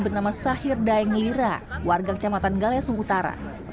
bernama sahir daeng lira warga kecamatan galesung utara